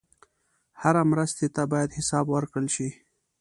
هره مرستې ته باید حساب ورکړل شي.